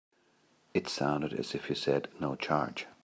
It sounded as if you said no charge.